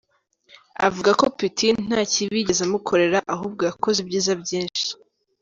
Avuga ko ‘Putin nta kibi yigeze amukorera ahubwo yakoze ibyiza byinshi.”